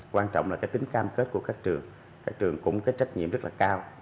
quan trọng là cái tính cam kết của các trường các trường cũng có trách nhiệm rất là cao